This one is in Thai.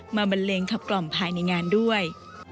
บันเลงขับกล่อมภายในงานด้วย